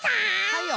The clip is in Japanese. はいよ。